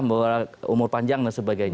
membawa umur panjang dan sebagainya